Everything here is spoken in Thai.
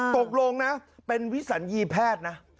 ตกลงนะเป็นวิสัญญีแพทย์นะ